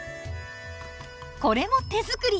これも手作り！